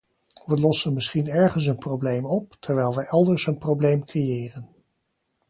We lossen misschien ergens een probleem op, terwijl we elders een probleem creëren.